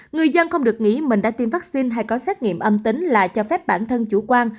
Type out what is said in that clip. người dân không được nghĩ mình đã tiêm vaccine hay có xét nghiệm âm tính là cho phép bản thân chủ quan